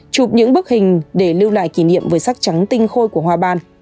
chụp những bức hình để lưu lại kỷ niệm với sắc trắng tinh khôi của hoa ban